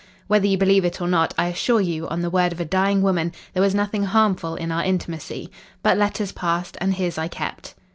Whether you believe it or not, I assure you, on the word of a dying woman, there was nothing harmful in our intimacy. But letters passed, and his I kept.